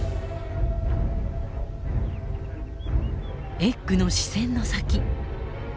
エッグの視線の先。